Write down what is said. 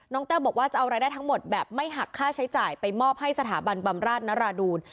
แต้วบอกว่าจะเอารายได้ทั้งหมดแบบไม่หักค่าใช้จ่ายไปมอบให้สถาบันบำราชนราดูล